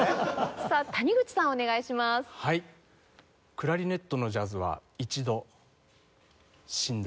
クラリネットのジャズは一度死んだ。